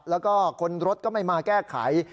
แล้วก็คนรถก็ไม่มาแก้ไข